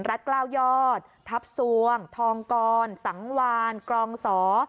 กล้าวยอดทัพสวงทองกรสังวานกรองสอ